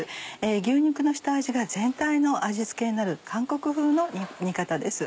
牛肉の下味が全体の味付けになる韓国風の煮方です。